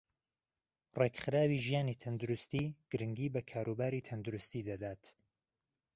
رێكخراوی ژیانی تەندروستی گرنگی بە كاروباری تەندروستی دەدات